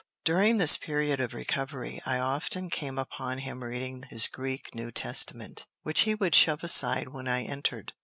During this period of recovery, I often came upon him reading his Greek New Testament, which he would shove aside when I entered.